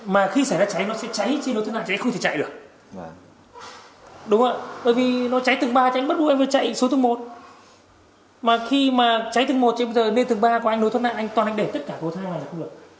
mà khi mà cháy từng một đến từng ba của anh nối thoát nạn anh toàn anh để tất cả cầu thang này vào khu vực